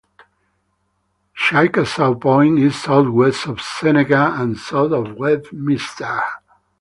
Chickasaw Point is southwest of Seneca and south of Westminster.